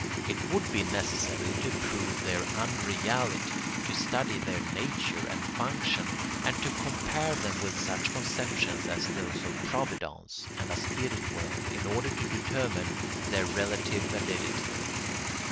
It would be necessary, to prove their unreality, to study their nature and function and to compare them with such conceptions as those of Providence and a spirit world in order to determine their relative validity.